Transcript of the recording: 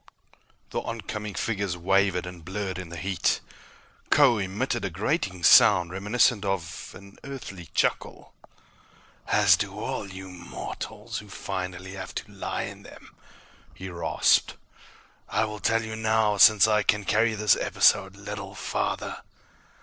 The oncoming figures wavered and blurred in the heat. Kho emitted a grating sound reminiscent of an Earthly chuckle. "As do all you mortals who finally have to lie in them," he rasped. "I will tell you now, since I can carry this episode little farther.